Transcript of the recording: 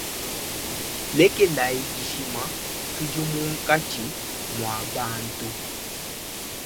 Lekela dishima tudi munkatshi mua bantu.